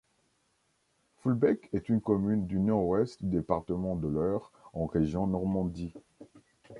Foulbec est une commune du Nord-Ouest du département de l'Eure en région Normandie.